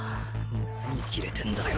なにキレてんだよ